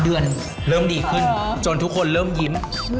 เดือนเริ่มดีขึ้นจนทุกคนเริ่มยิ้ม